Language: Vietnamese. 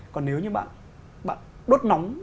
còn nếu như bạn đốt nóng